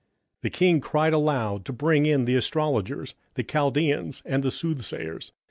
27:005:007 The king cried aloud to bring in the astrologers, the Chaldeans, and the soothsayers.